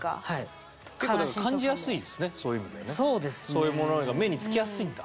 そういうものの方が目につきやすいんだ。